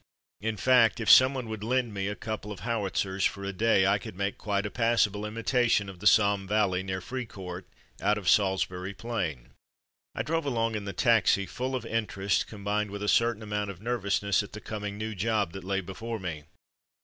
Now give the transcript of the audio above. In fact, if someone would lend me a couple of howitzers for a day, I could make quite a passable imitation of the Somme valley near Fricourt, out of Salisbury Plain. I drove along in the taxi, full of interest, combined with a certain amount of nervousness at the coming new job that lay before me.